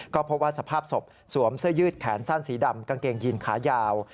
ก็พบว่าสภาพศพสวมเสื้อยืดแขนสั้นสีดำกางเกงยีนขายาว